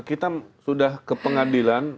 kita sudah ke pengadilan